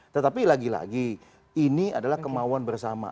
tetapi lagi lagi ini adalah kemauan bersama